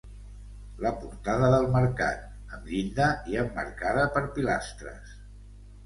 La Portada del mercat, amb llinda, i emmarcada per pilastres.